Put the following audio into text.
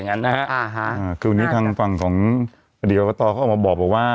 อันนี้ทางฝั่งของประเด็นประบาทเขามันบอกว่าว่า